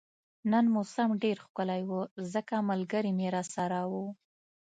نن موسم ډیر ښکلی وو ځکه ملګري مې راسره وو